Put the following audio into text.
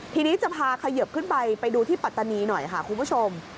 ทีนี้จะพาเขยิบขึ้นไปไปดูที่ปัตตานีหน่อยค่ะคุณผู้ชม